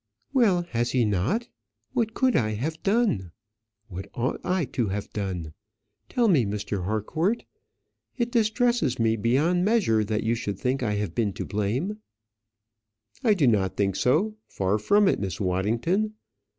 "Well, has he not? What could I have done? What ought I to have done? Tell me, Mr. Harcourt. It distresses me beyond measure that you should think I have been to blame." "I do not think so; far from it, Miss Waddington.